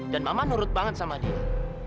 dan mama nurut banget sama dia